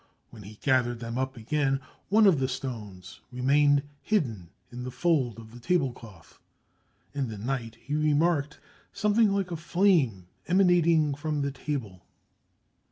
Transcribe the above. When he gathered them up again, one of the stones remained hidden in a fold of the table cloth. In the night he remarked something like a flame emanating from the table.